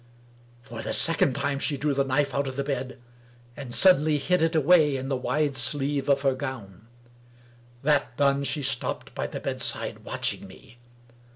For the second time she drew the knife out of the bed, and suddenly hid it away in the wide sleeve of her gown. That done, she stopped by the bedside watching me.